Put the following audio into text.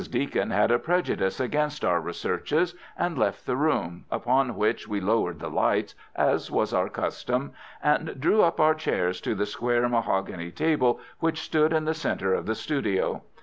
Deacon had a prejudice against our researches and left the room, upon which we lowered the lights, as was our custom, and drew up our chairs to the square mahogany table which stood in the centre of the studio.